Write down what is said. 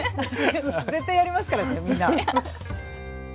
絶対やりますからねみんな。